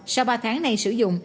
sau ba tháng này sử dụng